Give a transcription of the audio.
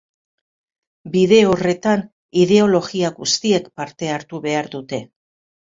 Bide horretan ideologia guztiek parte hartu behar dute.